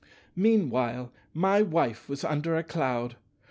Meanwhile my wife was under a cloud.